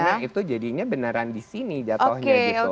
karena itu jadinya beneran di sini jatohnya gitu